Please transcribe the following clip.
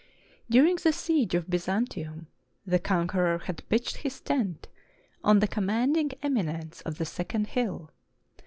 During the siege of Byzantium, the conqueror had pitched his tent on the commanding eminence of the second hill.